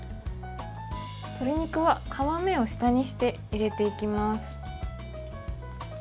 鶏肉は皮目を下にして入れていきます。